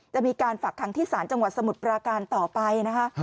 จะมีการฝากคังที่ศาลจังหวัดสมุทรปราการต่อไปนะคะ